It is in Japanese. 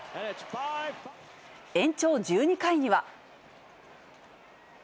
延長１２回には。